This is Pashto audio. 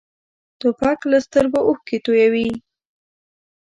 توپک له سترګو اوښکې تویوي.